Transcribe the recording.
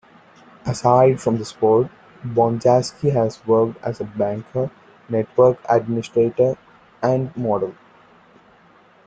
Aside from the sport, Bonjasky has worked as a banker, network administrator, and model.